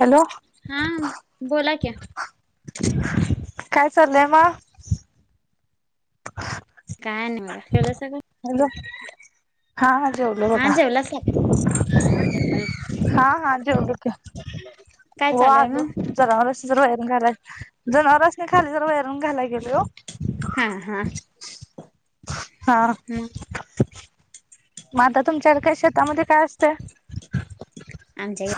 Hello हा बोला की काय चाललंय म [unintelligible] काय नाय बघा केलं सगळं हां हां हा [unintelligible] हां हां जेवलो जेवला सगळं की [unintelligible] काय हो चालू आहे आलो मग जनावरास्नी बाहेर घरात जनावरास्नी खाली जरा वैरण घालाय गेलोय ओ हा हा हा मग म आता तुमच्याकडं कशे शतामध्ये काय असतय आमच्या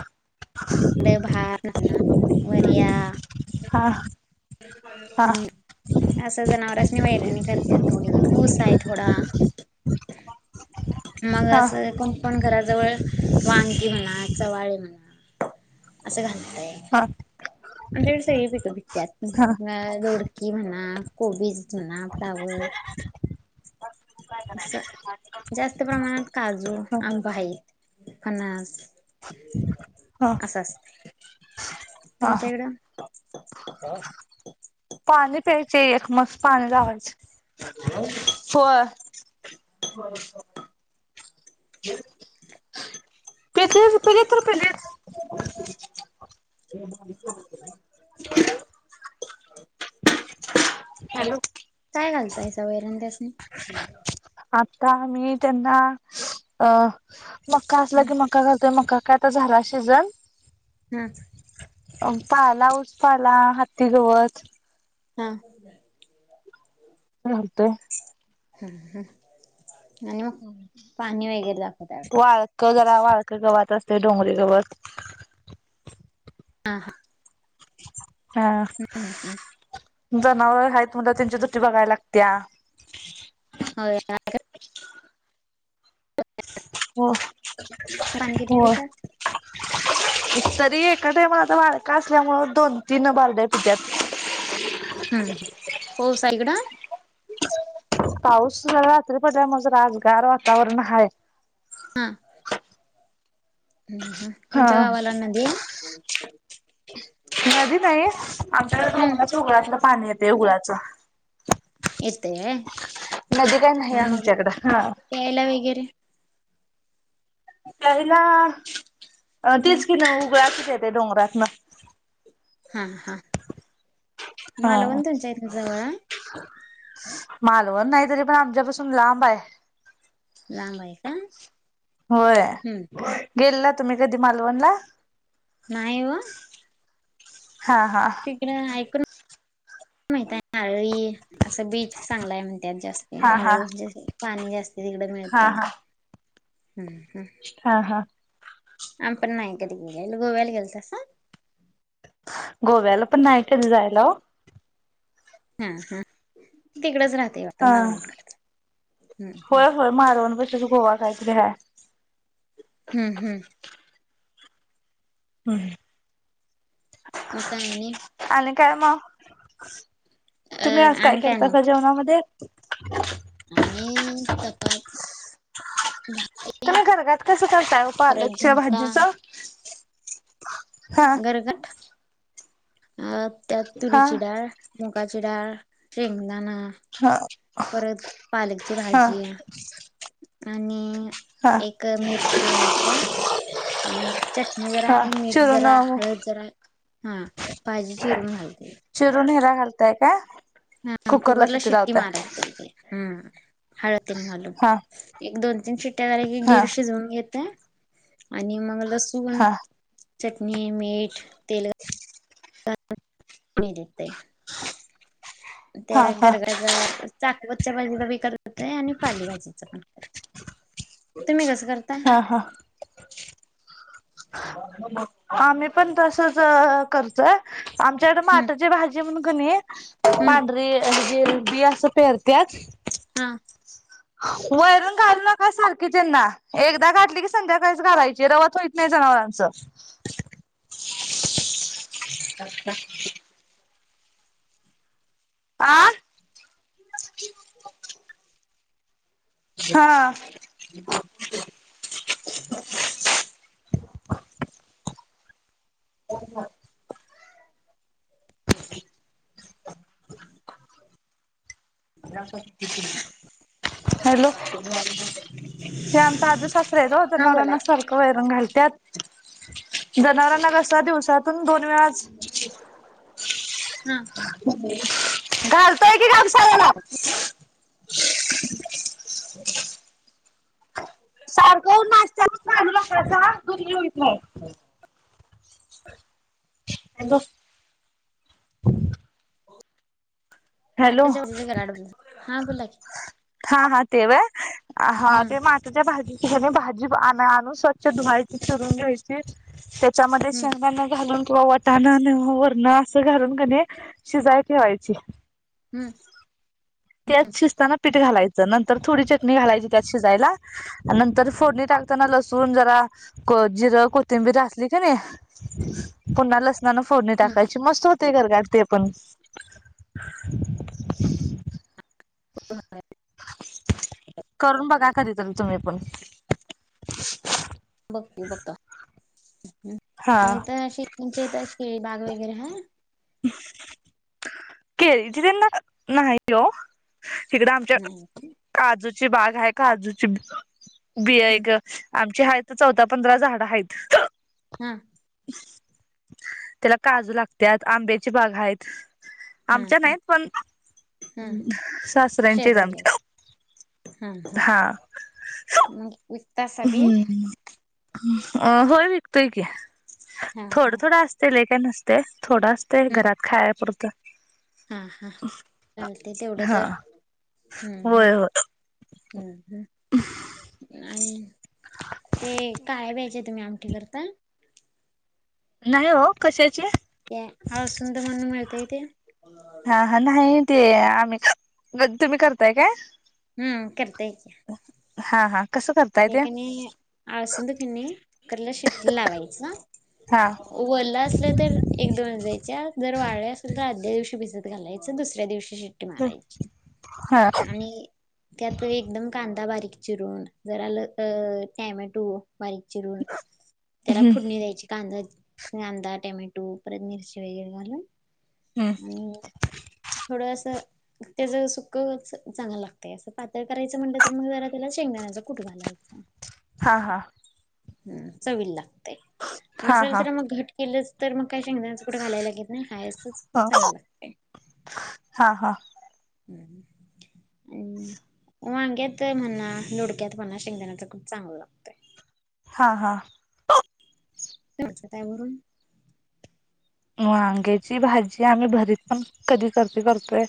[unintelligible] वर या हा हा ह् असं जनावरासनी वैरणी करत्यात थोडी, ऊस आहे थोडा. मग हा असं कोणकण घराजवळ वांगी म्हणा चवाळे म्हणा असं घाला हा [inaudible] आमच्याकडे सगळी पिके पिकत्यात दोडकी म्हणा कोबीज जुना फ्लावर अस जास्त प्रमाणात काजू हा आंबा हायत फणस हा असं असतय ह [unintelligible] हा... पाणी प्याय [inaudible] [unintelligible] बरोबर [inaudible] कती पले तर पले [unintelligible] [inaudible] [inaudible] हॅलो काय घालताय सा वैरण त्यासणी [inaudible] ता -मी -त्यांना अ मक्का असला हम्म की मक्का घालतोय मक्का काय तर झाला शीजन. हा पाला- उ -ऊस पाला हन्ती गवत म्ह.. म्हणतोय. [unintelligible] हम्म हम् [unintelligible] आणि मग पाणी वगैरे दाखवतव वाळक वाळक गवात असते डोंगरी गवात [inaudible] आ. हा. [inaudible] हा.... हा [inaudible] जनावर आहेत म्हणत्यावर - त्यांची डुटी बघाय लागत्या [inaudible] हो.. [unintelligible] [inaudible] हो... पाणी किती हो पितात? [inaudible] तरी एका ट मला आता वाडका असल्यामुं दोन तीन बारड तद्यात [unintelligible] हम्म हो साईगड. [unintelligible] पाऊस जरा रात्री पडल्या मुळ जरा आज गार वातावरण हाय [inaudible] हम्म हम् हम हा तुमच्या गावाला नदी आय [inaudible] नदी नाही [inaudible] आमच्या कड हम्म डोंगणाच्या उगळातल [unintelligible] पाणी येतय गुळाचं येतय नदी काय नाही वय- मग आमच्याकडं हा यायला वगैरे पहिला [inaudible] अ हम्म तीस किलो उगळा कि [inaudible] ते डोंगरातन हा- हा हा मालवण तुमच्या इथनं जवळ हाय? [inaudible] मालवण नाही, तरी पण आमच्यापासून लांब हाय. लांब आहे का? होय हम्म गेलात् तुम्ही कधी मालवणला नाही व. हा हा तिकडं ऐकून माहिताय नारळी असं बीच चांगला आहे म्हण त्यात जास्त हा हा हाय [unintelligible] पाणी जास्त आहे. तिकडं हा मिळतंया. हा हा हा आम्ही पण नाय गेलेलो कधी. गोव्याला गेलतासा? गोव्याला पण नाही कधी जायला ओ. हा हा तिकडंच राहत हा हम्म होय होय मालवण प गोवा कायतरी हाय. हम्म हम्म हम मग काय आणि? आणि काय मग? अ तुम्ही आज काय आणि नाही करतासा जेवणामधे? [inaudible] मी आता भात भा ताई गरगाट कसं करताय ओ पालकच्या भाजीचं. [inaudible] गरगाट अ त्यात हा तुरीची डाळ ची डाळ शेंगदाणा हा परत पालकची हा भाजी आहे. आणि हा एक मिरची घालतं. आणि चटणी जरा हा आणि मीठ जरा चिरून हळद जरा. हम् भाजी चिरून घालते. करताय काय? हम कुकरला कुगर्ला शिट्टी शि्टी लावताय मारते हम् हळद घालून हा एक दोन जे त्याकी हा गिरशजऊन येत. आणि मग रसवण हा चटणी मीठ तल मी देखते. हा त्या हा गरगाचा चाकवत. च्या भाजीचा बी करतेय. आणि पाली भाजीच पण करते. तुम्ही कसं करता? हा हा आमही पण तसच करचय. आमच्याकडे हम्म माटरची भाजी म्हण काणी हम्म पांढरी जे बी असं पेरतत हा वैरून घालू नका सारखी त्यांना एकदा गाठली की संध्याकाळीच घालायची रवत होईत नाही जनावरांच. आं हा हा [unintelligible] हॅलो हे आमता आज ससर यचा होत नवऱ्यांना सारखं वैरून घालत. त्या जां असत दिवसातून दोन वेळा वा [inaudible] हम घालतोय की घाल [inaudible] [unintelligible] चालू दुर बी हुत नाय. हो [inaudible] यंदो [inaudible] माट्याच्या बाज घराड ब हा बोला क [unintelligible] [inaudible] हा हा तेव हा ते मातीच्या भाजी ह्याने भाजी आण आणून स्वच्छ धुवायची चिरून घ्यायची. च्यामध्ये हम्म शेंगदाण घालून किंवा वटाण किंवा वरण असं घालून कनइ शिजाय ठेवायची. हम्म त्याच शिजताना मिठ घालायच नंतर कनी चटणी घालायची त्यात शिजायला आणि नंतर फोडणी टाकून लसुण जरा जिरं कोथिंबीर घातली कधी पुन्हा लसुण फोडणी हम्म टाकायची मस्त ते घर काढते आपण [inaudible] करून बघा कधीतरी तुम्ही पण [unintelligible] बगतो बगतो हा मग इथ शेती [inaudible] तथ अशी खेळी बाग वगैरे हम [unintelligible] [inaudible] केळीची देंड नाहीती ओ तिकडं आमच्या नाही काय? काजूची ची बाग आहे काजूची बिया हम्म एक आम चे आहेत चौदा पंधरा झाड आहेत हम त्याला काजू लागत्यात आंब्याची बाग आहेत हा आमच्या हा नाहीत पण, हा सासऱ्यांचेच शेजारी आहेत. आमच्या हा मग विकतासा बी? हम्म अ होय विकतोय की हा थोडं हा थोडं असतील एक ते नसतय थोडं असतय हम्म घरात खाया पुुरतं. हा हा चालते तेवढं हा तर हम्म हम्म होय होय हम्म हम्म आणि ते काय [unintelligible] तुम्ही आमटी करता? नाही हो कशाची आ सुंदर बनवून मिळतय ते इथे. हा हा नाही ते आम्ही. - तुम्ही करताय काय? हम्म करता य की. हा हा कसं करताय ते कनी [unintelligible] कुकरला शिट्टी लावायचं हा वल्ल असलं तर एक दोन जायचे वाळले असेल तर आदल्या दिवशी भिज घालायचं दुसऱ्या दिवशी ते शिट्टी मारायची हा आणि त्या तू एकदम का बारीक चिरून जरा आलं त टॅमॅटो बारीक चिरून त्याला हम्म फुडणी द्यायची कांदा कांदा, टोमॅटो, परत मिरची वगैर घालून हम्म आणि थोडस त्याच सुक चांगलं लागतंय असं पातळ करायचं म्हणल तर मग जरा त्याला शेंगदाण्याच कुट घालायचा. हा हा. हम्म् चवीला. ते हा नसेल हा तर मग घट केलंच- तर मग काय शेंगदाण्याच कूट घालायला लागत नाही. हाय असंच हा चांगल लागतय. हा वांग्यात म्हना, दोडक्यात म्हना शेंगदाण्याच कूट चांगलं लागतय. हा हा. [unintelligible] वरून वांग्याची भाजी, आम्ही भरीत पण कधीतरी करतोय.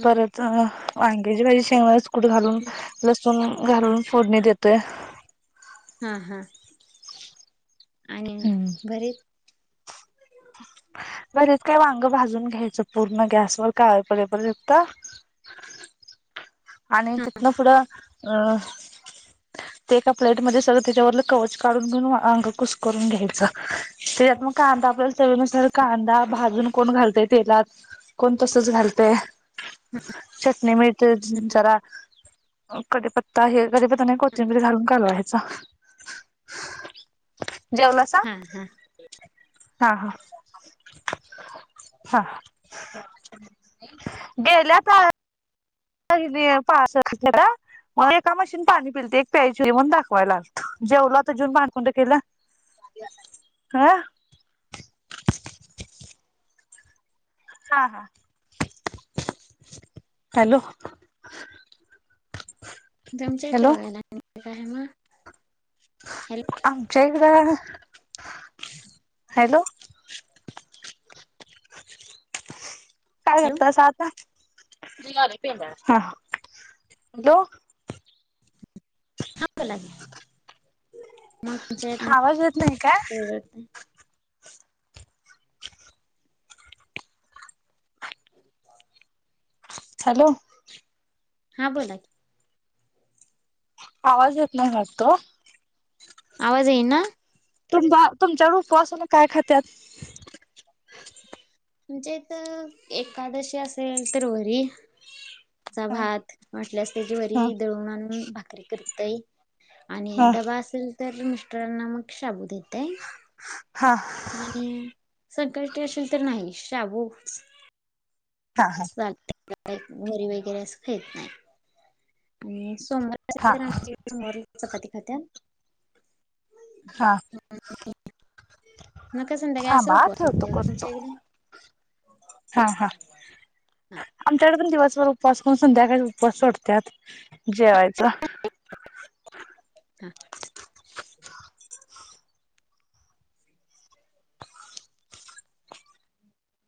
हा परत अ वांग्याची भाजी [unintelligible] कूट घालून, लसूण हा घालून फोडणी देत ते हा हा आणि घरी भरीत काय वांग भाजून घ्यायचं पूर्ण गॅसवर काळ पडे पर्यंत. आणि तिथनं पुढं अ ते एका प्लेटमध्ये सगळं त्याच्यावरलं कवच काढून घेऊन अंग कुसकरून घ्यायचं, त्याच्यात मग का कांदा बल त्याच्यानुसार कांदा भाजून कोण घालतय तेलात, कोण तसच घालतय चटणी, मिठ [unintelligible] कढीपत्ता हे कढीपत्ता नाही कोथिंबीर घालून कालवायचा. जेवलासा? हा हा. हा हा. हा. गेल्यात [unintelligible] मग एका मशीन पाणी पिलती एक प्यायची म्हणून दाखवायला आलतो. जेवला आता जेवून भांडकुंड केलं हा हा हा हॅलो तुमच्या इथं हॅलो. बघायला आणि काय मग हॅलो आमच्या इकडं [unintelligible] हॅलो काय हॅलो करतस आता हा हॅलो हा कलाली मग जे आवाज येत नाही काय? [unintelligible] हॅलो हा बोला की आवाज येत नाही वाटतो ओ आवाज येई ना तुमजा तुमच्याकडे उपवासाला काय खात्यात? आमच्या इथ एकादशी असेल तर वरी चा हा भात वाटल्यास त्याची हा वरी दळून आणून भाकरी करत तइ आणि हा डबा असल तर मिस्टरांना मग शाबू देत हा आणि संकष्टी अशेल तर नाही शाबू हा चालतय [unintelligible] वरी वगैरे असं खाईत नाही ह्म्म सोमर हा [unintelligible] आमची सोमवारी चपाती खात्यात [unintelligible] हा मी काय संध्याकाळी असं थांबा हा उपवास सोडते ठेवतो आता करतो. तुमच्याइकडं. हा हा हा आमच्याकडं पण दिवसभर उपवास उपवास करून संध्याकाळी उपास सोडत्यात जेवायचं हा [inaudible]